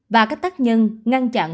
và các tác nhân ngăn chặn